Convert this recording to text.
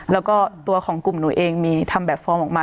แล้วก็ตัวของกลุ่มหนูเองมีทำแบบฟอร์มออกมา